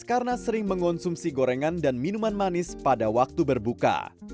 karena sering mengonsumsi gorengan dan minuman manis pada waktu berbuka